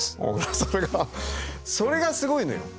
それがそれがすごいのよ。